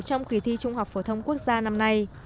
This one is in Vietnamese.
trong kỳ thi trung học phổ thông quốc gia năm nay